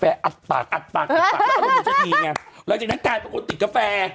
หลังจากนั้นการที่ติดกาแฟกิ่งกษา